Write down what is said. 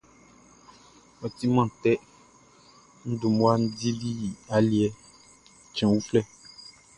Ɔ timan tɛ, n dun mmua dili aliɛ cɛn uflɛ.